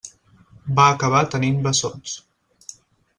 Va acabar tenint bessons.